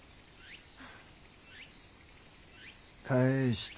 返して。